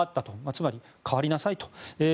つまり代わりなさいと。